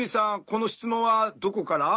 この質問はどこから？